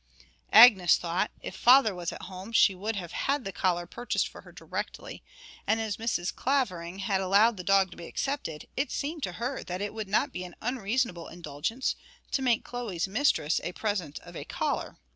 Agnes thought, if father was at home she would have had the collar purchased for her directly, and as Mrs. Clavering had allowed the dog to be accepted, it seemed to her that it would not be an unreasonable indulgence to make Chloe's mistress a present of a collar.